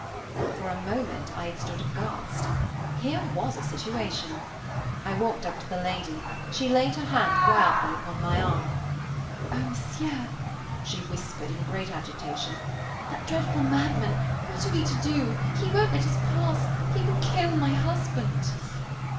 For a moment I had stood aghast. Here was a situation! I walked up to the lady; she laid her hand wildly upon my arm. "Oh! Monsieur," she whispered, in great agitation, "that dreadful madman! What are we to do? He won't let us pass; he will kill my husband."